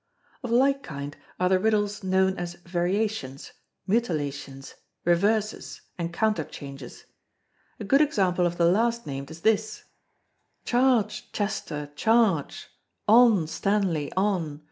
Of like kind are the riddles known as variations, mutilations, reverses, and counterchanges. A good example of the last named is this: Charge, Chester, Charge: on, Stanley, on!